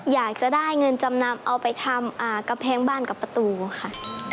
อยากจะได้เงินจำนำเอาไปทำกำแพงบ้านกับประตูค่ะ